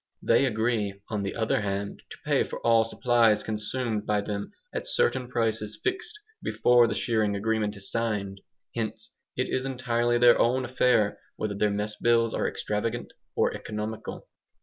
They agree, on the other hand, to pay for all supplies consumed by them at certain prices fixed before the shearing agreement is signed. Hence, it is entirely their own affair whether their mess bills are extravagant or economical.